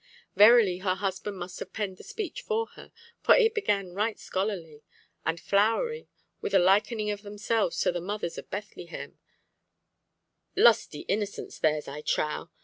Verily her husband must have penned the speech for her—for it began right scholarly, and flowery, with a likening of themselves to the mothers of Bethlehem (lusty innocents theirs, I trow!)